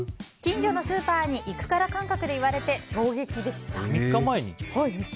近所のスーパーに行くから感覚で言われて３日前に？